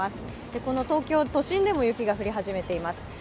この東京都心でも雪が降り始めています。